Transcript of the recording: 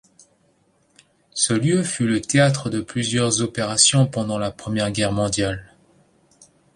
Ce lieu fut le théâtre de plusieurs opérations pendant la Première Guerre mondiale.